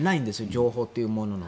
情報というものの。